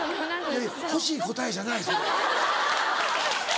欲しい答えじゃないそれ。